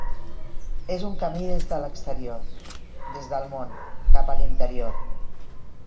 És un camí des de l'exterior, des del món, cap a l'interior.